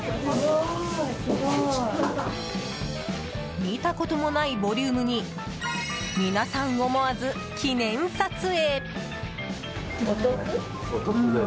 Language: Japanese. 見たこともないボリュームに皆さん思わず記念撮影。